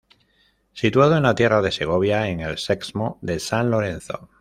Situado en la Tierra de Segovia, en el Sexmo de San Lorenzo.